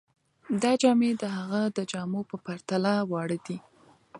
دا جامې د هغه د جامو په پرتله واړه دي.